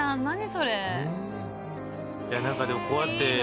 それ！